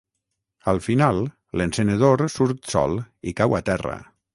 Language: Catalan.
Al final l'encenedor surt sol i cau a terra.